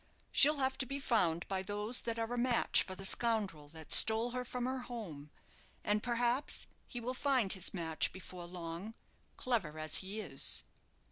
She'll have to be found by those that are a match for the scoundrel that stole her from her home; and perhaps he will find his match before long, clever as he is."